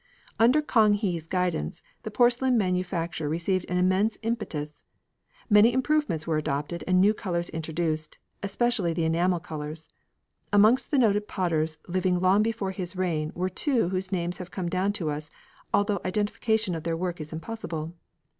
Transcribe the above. Under Kang he's guidance the porcelain manufacture received an immense impetus. Many improvements were adopted and new colours introduced, especially the enamel colours. Amongst the noted potters living long before his reign were two whose names have come down to us, although identification of their work is impossible.